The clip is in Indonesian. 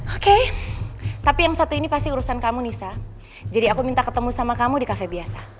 oke tapi yang satu ini pasti urusan kamu nisa jadi aku minta ketemu sama kamu di kafe biasa